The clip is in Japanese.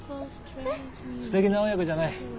すてきな親子じゃない。